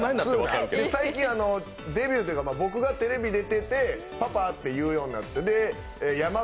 最近、デビューというか僕がテレビに出てて「パパ」って言うようになって。